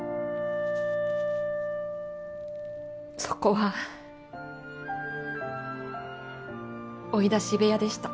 そこは追い出し部屋でした。